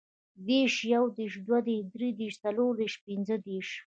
دېرش, یودېرش, دودېرش, دریدېرش, څلوردېرش, پنځهدېرش